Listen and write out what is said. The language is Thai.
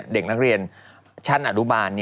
เด็กนักเรียนชั้นอนุบาล